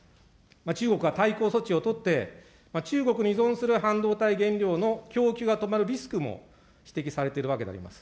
中国は対抗措置を取って、中国に依存する半導体原料の供給が止まるリスクも指摘されているわけであります。